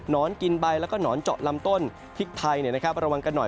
นอนกินใบแล้วก็หนอนเจาะลำต้นพริกไทยระวังกันหน่อย